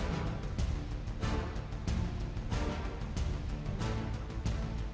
walau lebih keras lagi suara di indonesia